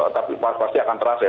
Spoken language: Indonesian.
tapi pasti akan terasa